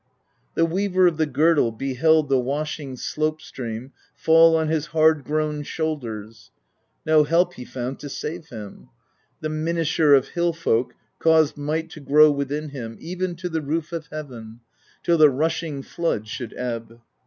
The Weaver of the Girdle Beheld the washing slope stream Fall on his hard grown shoulders: No help he found to save him; The Minisher of hill folk Caused Might to grow within him Even to the roof of heaven, Till the rushing flood should ebb.